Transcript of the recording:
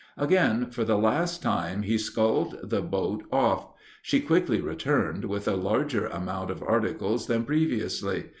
Again, for the last time, he sculled the boat off. She quickly returned, with a larger amount of articles than previously.